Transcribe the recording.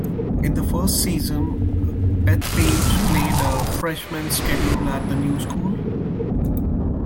In their first season, Bethpage played a freshman schedule at the new school.